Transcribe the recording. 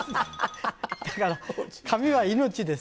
だから、髪は命です。